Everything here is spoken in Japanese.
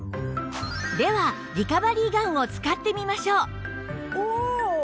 ではリカバリーガンを使ってみましょう